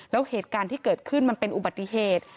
แล้วเหตุการณ์ที่เกิดขึ้นมันเป็นอุบัติเหตุ